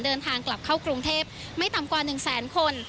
เดินทางกลับเข้ากรุงเทพไม่ต่ำกว่า๑แสนคน